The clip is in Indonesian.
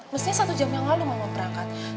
mestinya satu jam yang lalu mau berangkat